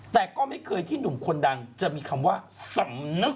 แต่ก็ไม่เคยที่หนุ่มคนดังจะมีคำว่าสำนึก